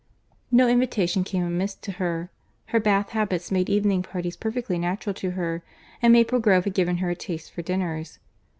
No invitation came amiss to her. Her Bath habits made evening parties perfectly natural to her, and Maple Grove had given her a taste for dinners.